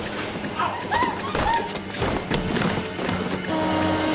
あっあっ！